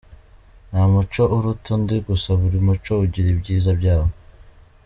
Nta muco uruta undi gusa buri muco ugira ibyiza byawo.